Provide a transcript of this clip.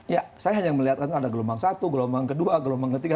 ya saya hanya melihat ada gelombang satu gelombang kedua gelombang ketiga